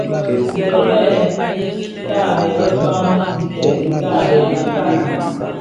Ntèd bè tabèè bëkpaň nted dhi tabèè bëkan.